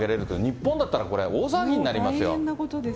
日本だったら、これ大騒ぎになりますよ。